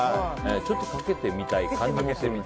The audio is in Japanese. ちょっとかけてみたい。